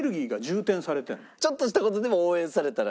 なんかちょっとした事でも応援されたら。